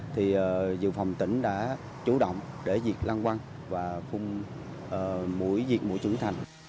thì dự phòng tỉnh đã chủ động để diệt long quăng và phung mũi diệt mũi trưởng thành